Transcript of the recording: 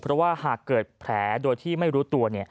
เพราะว่าหากเกิดแผลโดยที่ไม่รู้ตัว